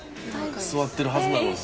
座ってるはずなのに？